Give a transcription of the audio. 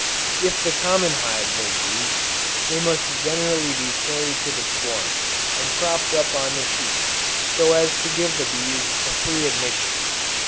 If the common hives are used, they must generally be carried to the swarm, and propped up on the sheet, so as to give the bees a free admission.